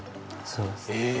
そうですね。